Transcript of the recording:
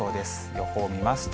予報を見ますと、